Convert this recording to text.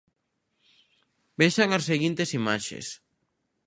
Vexan as seguintes imaxes.